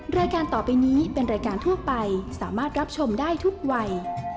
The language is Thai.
รายการต่อไปนี้เป็นรายการทั่วไปสามารถรับชมได้ทุกวัย